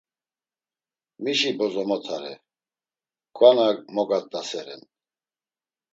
Mişi bozomota re, kva na mogat̆aseren.